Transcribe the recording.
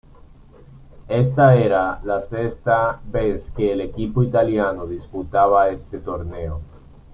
Esta era la sexta vez que el equipo italiano disputaba este torneo.